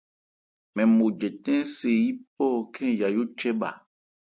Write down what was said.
Mɛn mo jɛtɛ̂n se yípɔ khɛ́n Yayó chɛ bha.